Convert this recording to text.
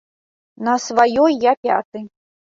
На сваёй я пяты.